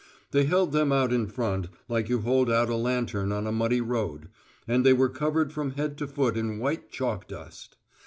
They held them out in front, like you hold out a lantern on a muddy road, and they were covered from head to foot in white chalk dust.